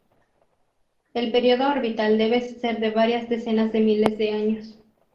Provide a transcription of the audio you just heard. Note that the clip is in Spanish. El período orbital debe ser de varias decenas de miles de años.